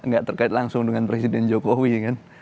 nggak terkait langsung dengan presiden jokowi kan